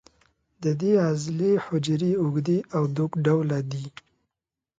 د دې عضلې حجرې اوږدې او دوک ډوله دي.